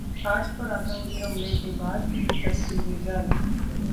ताज पर आतंकी हमले के बाद की तस्वीरें जारी